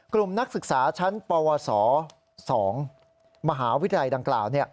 นักศึกษาชั้นปวส๒มหาวิทยาลัยดังกล่าว